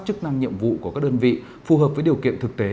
chức năng nhiệm vụ của các đơn vị phù hợp với điều kiện thực tế